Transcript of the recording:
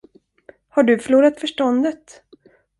Har du förlorat förståndet?